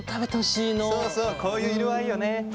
そうそうこういう色合いよね。